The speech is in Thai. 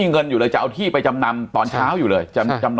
เงิน๖แสนมาจากไหน